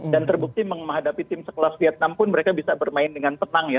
dan terbukti menghadapi tim sekelas vietnam pun mereka bisa bermain dengan tenang ya